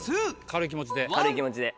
軽い気持ちで。